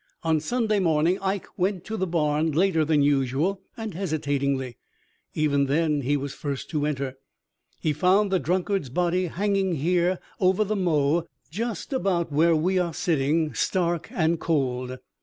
On Sunday morning Ike went to the barn later than usual and hesitatingly. Even then he was first to enter. He found the drunkard's body hanging here over the mow, just about where we are sitting, stark and cold.